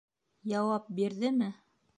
Яуап бирҙеме?